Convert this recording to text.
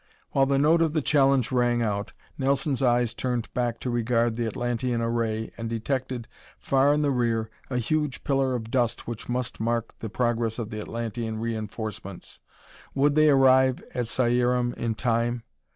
While the note of the challenge rang out, Nelson's eyes turned back to regard the Atlantean array and detected, far in the rear, a huge pillar of dust which must mark the progress of the Atlantean reinforcements. Would they arrive at Cierum in time?